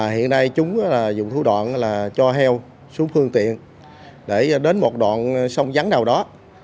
hiện nay chúng dùng thủ đoạn cho heo xuống phương tiện để đến một đoạn sông vắng nào đó